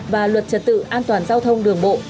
và luật trật tự an toàn giao thông đường bộ